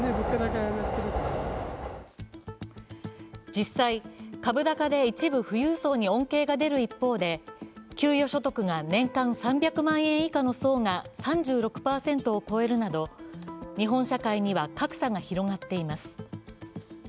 実際、株高で一部富裕層に恩恵が出る一方で給与所得が年間３００万円以下の層が３６％を超えるなど日本社会には格差が広がっています。